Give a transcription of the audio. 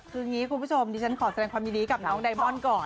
คุณผู้ชมดิฉันขอแสดงความยินดีกับน้องไดมอนด์ก่อน